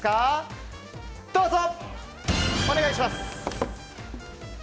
どうぞ！